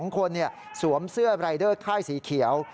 ๒คนสวมเสื้อรายเดอร์ค่ายสีเขียว